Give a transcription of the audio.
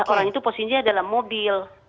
orang itu posisinya adalah mobil